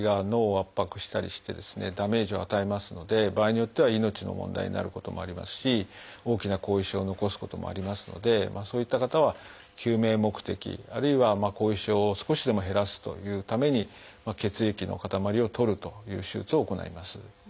ダメージを与えますので場合によっては命の問題になることもありますし大きな後遺症を残すこともありますのでそういった方は救命目的あるいは後遺症を少しでも減らすというために血液の塊を取るという手術を行います。